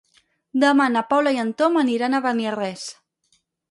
Demà na Paula i en Tom aniran a Beniarrés.